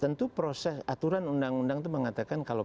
tentu proses aturan undang undang itu mengatakan kalau